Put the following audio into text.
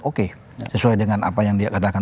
oke sesuai dengan apa yang dia katakan